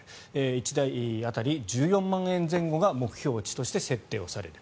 １台当たり１４万円前後が目標値として設定される。